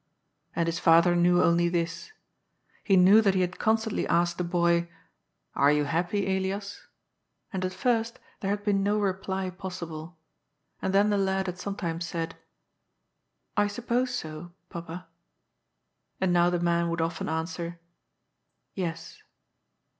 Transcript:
And his father knew only this. He knew that he had constantly asked the boy :Are you happy, Elias ?" And at first, there had been no reply possible, and then the lad had sometimes said :" I suppose so, Papa," and now the man would often answer :" Yes."